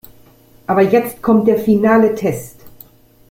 Aber jetzt kommt der finale Test.